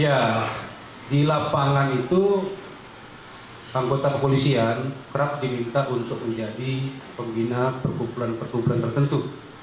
ya di lapangan itu anggota kepolisian kerap diminta untuk menjadi pembina perkumpulan perkumpulan tertentu